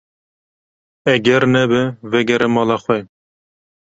Eger nebe vegere mala xwe.